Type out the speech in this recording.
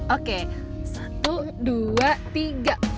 oke satu dua tiga